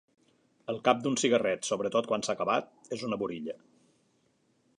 El cap d'un cigarret, sobretot quan s'ha acabat és una burilla.